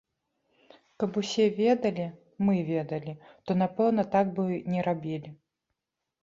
Каб усе ведалі, мы ведалі, то, напэўна, так бы не рабілі.